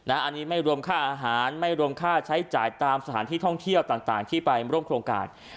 อันนี้ไม่รวมค่าอาหารไม่รวมค่าใช้จ่ายตามสถานที่ท่องเที่ยวต่างที่ไปร่วมโครงการ